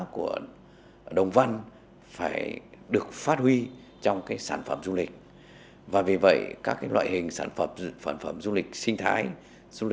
của các dân tộc vùng cao